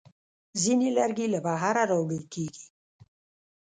ځینې لرګي له بهره راوړل کېږي.